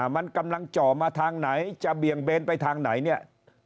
มันกำลังเจาะมาทางไหนจะเบี่ยงเบนไปทางไหนเนี่ย